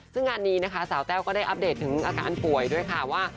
ซึ่งงานนี้นะคะสาวแต้วก็ได้อัปเดตถึงอาการป่วยด้วยค่ะว่า